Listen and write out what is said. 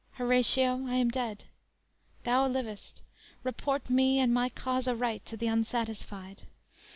Horatio, I am dead! Thou livest; report me and my cause aright To the unsatisfied.